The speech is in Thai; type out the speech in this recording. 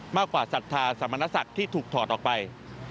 กว่าศรัทธาสมณศักดิ์ที่ถูกถอดออกไป